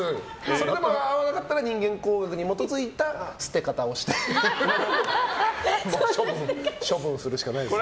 それでも合わなかったら人間工学に基づいた捨て方をして処分するしかないですね。